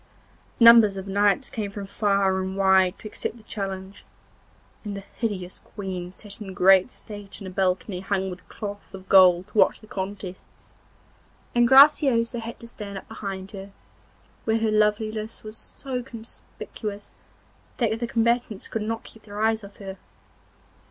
Numbers of knights came from far and wide to accept the challenge, and the hideous Queen sat in great state in a balcony hung with cloth of gold to watch the contests, and Graciosa had to stand up behind her, where her loveliness was so conspicuous that the combatants could not keep their eyes off her.